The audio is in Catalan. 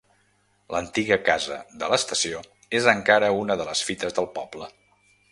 L'antiga casa de l'estació és encara una de les fites del poble.